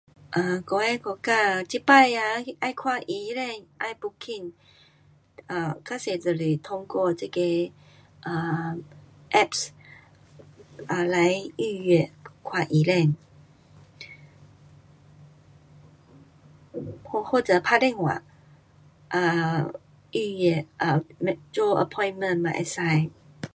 um 我的国家这次啊那要看医生，要 booking[um] 较多就是通过这个 [um]apps[um] 来预约看医生。或，或者打电话 um 预约 [um]make 做 appointment 也可以。